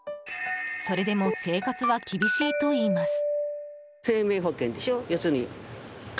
それでも生活は厳しいといいます。